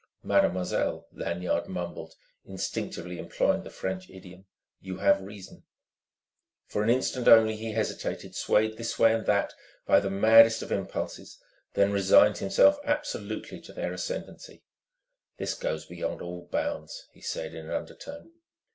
"Mademoiselle," Lanyard mumbled, instinctively employing the French idiom "you have reason." For an instant only he hesitated, swayed this way and that by the maddest of impulses, then resigned himself absolutely to their ascendancy. "This goes beyond all bounds," he said in an undertone.